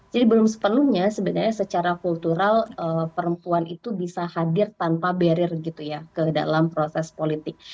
jadi belum sepenuhnya sebenarnya secara kultural perempuan itu bisa hadir tanpa barrier gitu ya ke dalam proses politik